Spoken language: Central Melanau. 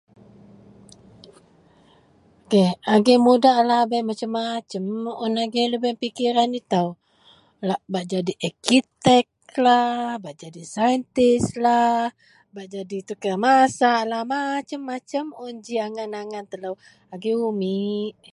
Agei mudak lahabei masem-masem un agei dagen pikiran ito, lok bak jadi akiteklah, bak jadi scientistlah, bak jadi tukeang masaklah masem-masem un g angan-angan telo agei umit.